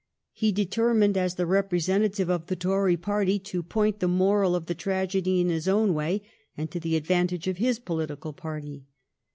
He deter mined, as the representative of the Tory party, to point the moral of the tragedy in his own way, and to the advantage of his political party.